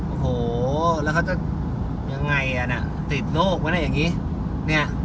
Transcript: โอ้โหแล้วเขาจะยังไงอ่ะน่ะติดโรควะนะอย่างนี้เนี่ย